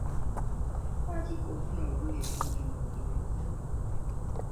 Lwaki gwe ofuna obulumi bungi nga oli lubutto?